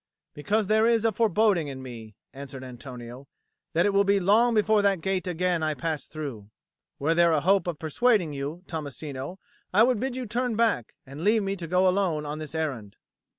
"Because there is a foreboding in me," answered Antonio, "that it will be long before that gate again I pass through. Were there a hope of persuading you, Tommasino, I would bid you turn back, and leave me to go alone on this errand."